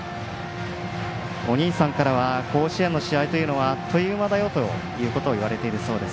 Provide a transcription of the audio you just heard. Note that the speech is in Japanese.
お兄さんからは甲子園の試合というのはあっという間だよと言われているそうです。